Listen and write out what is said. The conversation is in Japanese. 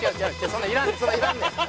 そんなんいらんねん。